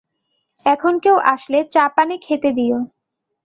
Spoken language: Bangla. এখন কেউ আসলে চা-পানি খেতে দিও।